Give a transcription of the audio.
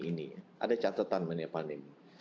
ini ada catatan mengenai pandemi